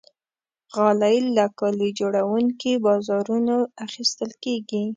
غالۍ له کالي جوړونکي بازارونو اخیستل کېږي.